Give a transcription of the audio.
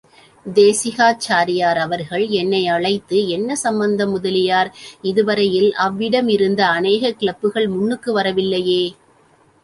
தேசிகாச்சாரியார் அவர்கள் என்னை அழைத்து, என்ன சம்பந்த முதலியார், இது வரையில் அவ்விடமிருந்த அநேக கிளப்புகள் முன்னுக்கு வரவில்லையே!